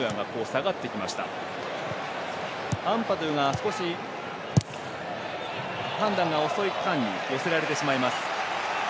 アンパドゥが少し判断が遅い間に寄せられてしまいます。